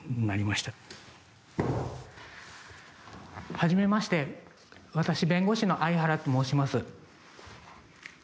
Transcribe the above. はじめまして私弁護士の相原と申します。